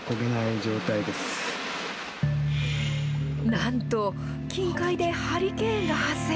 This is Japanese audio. なんと、近海でハリケーンが発生。